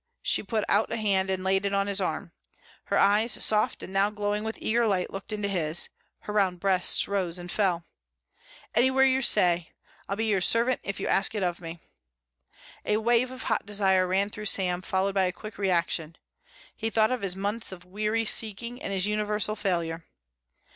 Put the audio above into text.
She put out a hand and laid it on his arm. Her eyes, soft and now glowing with eager light looked into his. Her round breasts rose and fell. "Anywhere you say. I'll be your servant if you ask it of me." A wave of hot desire ran through Sam followed by a quick reaction. He thought of his months of weary seeking and his universal failure.